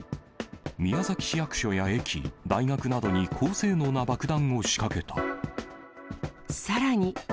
宮崎市役所や駅、大学などに、さらに。